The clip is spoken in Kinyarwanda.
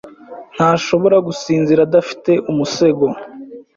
ntashobora gusinzira adafite umusego.